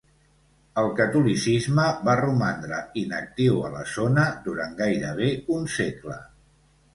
El catolicisme va romandre inactiu a la zona durant gairebé un segle.